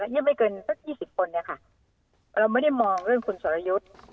นี่ไม่เกินสัก๒๐คนเนี่ยค่ะเราไม่ได้มองเรื่องคุณสรยุทธ์